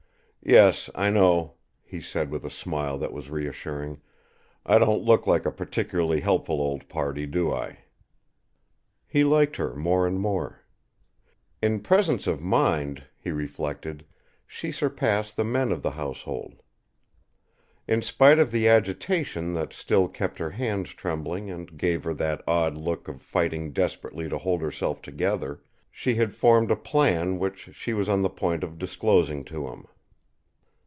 "Yes, I know," he said with a smile that was reassuring; "I don't look like a particularly helpful old party, do I?" He liked her more and more. In presence of mind, he reflected, she surpassed the men of the household. In spite of the agitation that still kept her hands trembling and gave her that odd look of fighting desperately to hold herself together, she had formed a plan which she was on the point of disclosing to him.